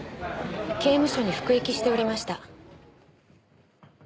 刑務所に服役しておりました。